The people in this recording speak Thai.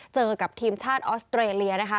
เจอกับทีมชาติออสเตรเลียนะคะ